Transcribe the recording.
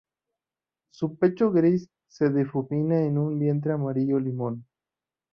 Su pecho gris se difumina en un vientre amarillo limón.